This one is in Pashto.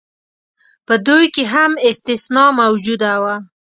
په دوی کې هم استثنا موجوده وه.